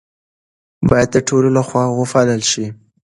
باید د ټولو لخوا وپالل شي.